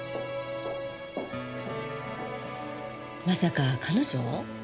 まさか彼女？